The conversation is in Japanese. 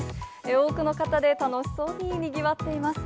多くの方で楽しそうににぎわっています。